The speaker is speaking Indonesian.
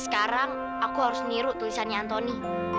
sekarang aku harus meniru tulisannya anthony